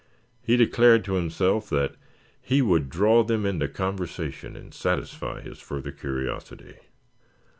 He declared to himself that he would draw them into conversation and satisfy his further curiosity.